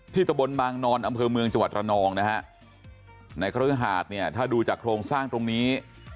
ตะบนบางนอนอำเภอเมืองจังหวัดระนองนะฮะในคฤหาดเนี่ยถ้าดูจากโครงสร้างตรงนี้